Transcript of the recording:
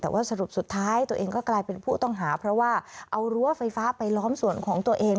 แต่ว่าสรุปสุดท้ายตัวเองก็กลายเป็นผู้ต้องหาเพราะว่าเอารั้วไฟฟ้าไปล้อมส่วนของตัวเอง